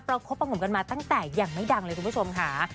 ประคบผ่องผมกันมาตั้งแต่อย่างไม่ดังเลยคุณผู้ชมค่ะ